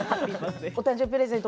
お誕生日プレゼント